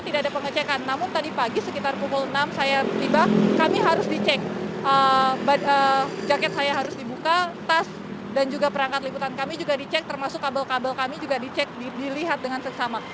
tidak ada pengecekan namun tadi pagi sekitar pukul enam saya tiba kami harus dicek jaket saya harus dibuka tas dan juga perangkat liputan kami juga dicek termasuk kabel kabel kami juga dicek dilihat dengan seksama